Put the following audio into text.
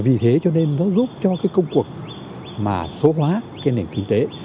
vì thế cho nên nó giúp cho công cuộc mà số hóa nền kinh tế